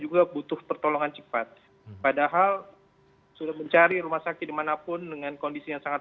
juga butuh pertolongan cepat padahal sudah mencari rumah sakit manapun dengan kondisi yang sangat